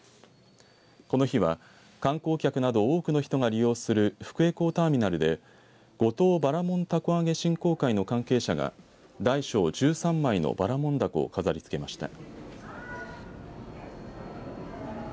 この日は観光客など多くの人が利用する福江港ターミナルで五島バラモン凧揚げ振興会の関係者が大小１３枚のばらもんだこを飾りつけました。